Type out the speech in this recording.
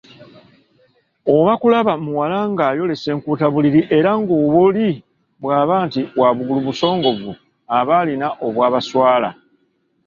Oba kulaba muwala ng'ayolesa enkuutabuliri, era ngoli bwaba nti wa bugulu busongovu, abalina obwabaswala,